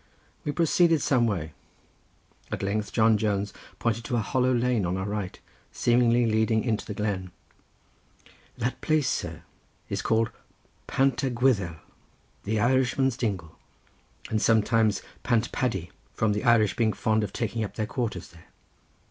We proceeded some way. At length John Jones pointed to a hollow lane on our right, seemingly leading into the glen. "That place, sir," said he, "is called Pant y Gwyddel—the Irishman's dingle, and sometimes Pant Paddy, from the Irish being fond of taking up their quarters there.